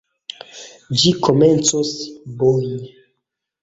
Ĝi komencos boji.